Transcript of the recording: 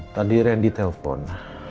tadi randy telpon